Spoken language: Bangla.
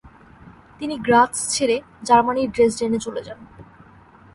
তিনি গ্রাৎস ছেড়ে জার্মানির ড্রেসডেনে চলে যান।